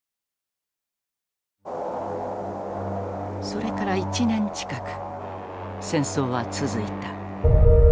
それから１年近く戦争は続いた。